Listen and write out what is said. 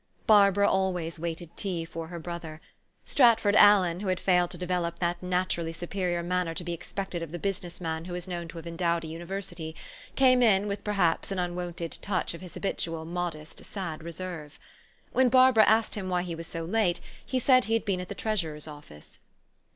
Barbara always waited tea for her brother. Stratford Allen, who had failed to develop that naturally superior manner to be expected of the business man who is known to have endowed a university, came in with, perhaps, an unwonted touch of his habitual, modest, sad re serve. When Barbara asked him why he was so late, he said he had been at the treasurer's office.